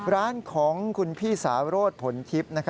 ร้านของคุณพี่สาโรธผลทิพย์